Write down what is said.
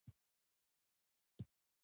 بد اشخاص د قوم استازي نه دي.